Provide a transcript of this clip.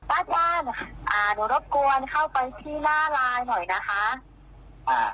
อาจารย์อ่าหนูรบกวนเข้าไปที่หน้าไลน์หน่อยนะคะอ่า